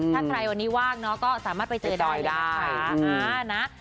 ถ้าใครวันนี้ว่างเนาะก็สามารถไปเจอดอยได้